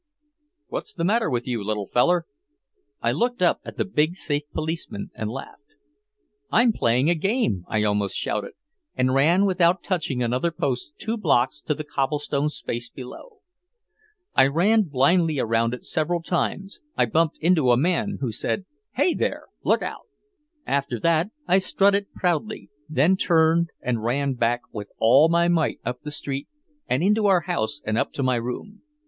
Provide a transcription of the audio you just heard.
"What's the matter with you, little feller?" I looked up at the big safe policeman and laughed. "I'm playing a game," I almost shouted, and ran without touching another post two blocks to the cobblestone space below. I ran blindly around it several times, I bumped into a man who said, "Heigh there! Look out!" After that I strutted proudly, then turned and ran back with all my might up the street, and into our house and up to my room.